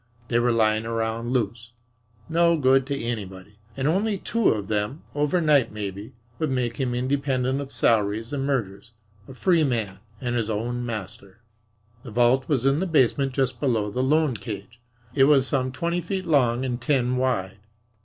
They were lying around loose, no good to anybody, and only two of them, overnight maybe, would make him independent of salaries and mergers a free man and his own master. The vault was in the basement just below the loan cage. It was some twenty feet long and ten wide.